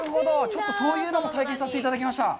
ちょっとそういうのも体験させていただきました。